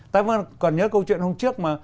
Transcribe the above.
ta còn nhớ câu chuyện hôm trước mà